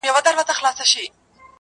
سپینه ږیره سپین غاښونه مسېدلی!